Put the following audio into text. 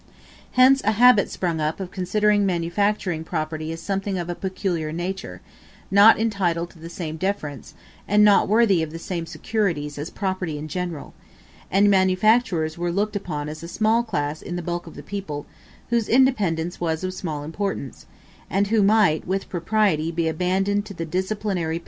Hence a habit sprung up of considering manufacturing property as something of a peculiar nature, not entitled to the same deference, and not worthy of the same securities as property in general; and manufacturers were looked upon as a small class in the bulk of the people, whose independence was of small importance, and who might with propriety be abandoned to the disciplinary passions of princes.